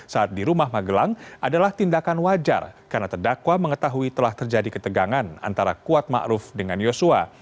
saat di rumah magelang adalah tindakan wajar karena terdakwa mengetahui telah terjadi ketegangan antara kuat ⁇ maruf ⁇ dengan yosua